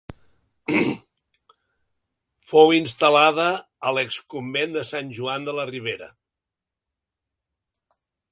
Fou instal·lada a l'exconvent de Sant Joan de la Ribera.